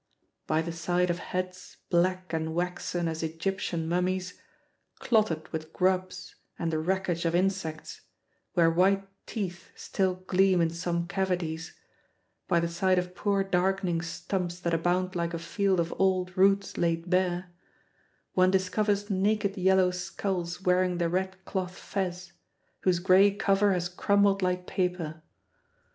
By the side of heads black and waxen as Egyptian mummies, clotted with grubs and the wreckage of insects, where white teeth still gleam in some cavities, by the side of poor darkening stumps that abound like a field of old roots laid bare, one discovers naked yellow skulls wearing the red cloth fez, whose gray cover has crumbled like paper.